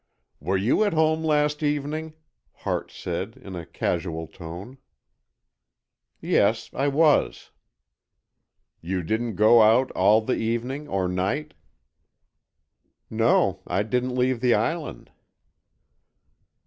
"Were you at home last evening?" Hart said, in a casual tone. "Yes, I was." "You didn't go out all the evening or night?" "No. I didn't leave the island."